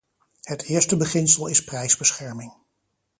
Het eerste beginsel is prijsbescherming.